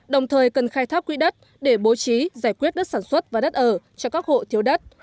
đồng thời cần khai thác quỹ đất để bố trí giải quyết đất sản xuất và đất ở cho các hộ thiếu đất